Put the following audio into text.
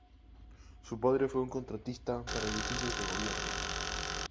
Su padre fue un contratista para edificios del gobierno.